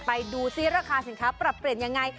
ไปดูซิราคาสินค้าปรับเปลี่ยนยังไง